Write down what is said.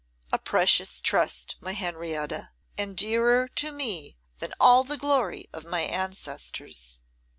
'A precious trust, my Henrietta, and dearer to me than all the glory of my ancestors.